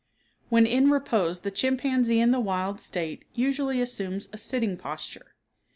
When in repose the chimpanzee in the wild state usually assumes a sitting posture.